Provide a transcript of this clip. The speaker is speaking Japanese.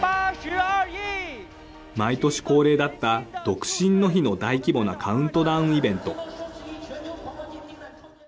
毎年恒例だった独身の日の大規模なカウントダウンイベント。